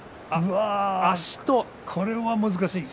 これは難しい。